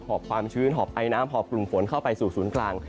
อบความชื้นหอบไอน้ำหอบกลุ่มฝนเข้าไปสู่ศูนย์กลาง